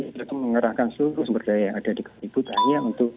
jadi kita mengarahkan sumber daya yang ada di kementerian pertama pertama hanya untuk